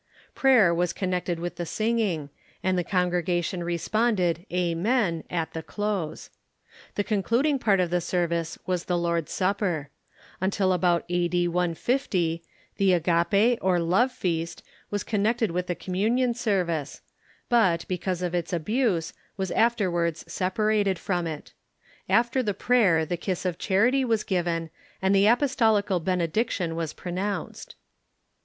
Prayer was connect ed with the singing, and the congregation responded " Amen " at the close. The concluding part of the service was the Lord'b *=!upper. Until about a.d. 150, the agape, or love feast, was connected with the communion service, but, because of its CHRISTIAN WORSHIP 21 abuse, was afterwards separated from it. After the prayer the kiss of charity was given, and the apostolical benediction was pronounced.